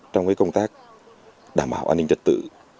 trong công tác đảm bảo an ninh chất tự